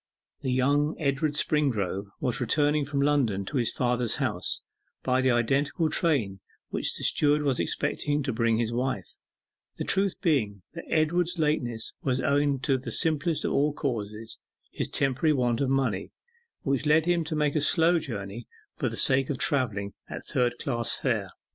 The younger Edward Springrove was returning from London to his father's house by the identical train which the steward was expecting to bring his wife, the truth being that Edward's lateness was owing to the simplest of all causes, his temporary want of money, which led him to make a slow journey for the sake of travelling at third class fare.